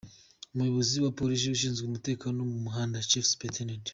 Umuyobozi wa polisi ushinzwe umutekano wo mu muhanda, Chief Supt.